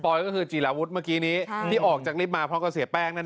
ก็คือจีราวุฒิเมื่อกี้นี้ที่ออกจากลิฟต์มาพร้อมกับเสียแป้ง